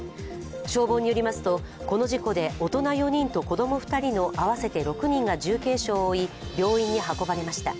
消防によりますと、この事故で大人４人と子供２人の合わせて６人が重軽傷を負い、病院に運ばれました。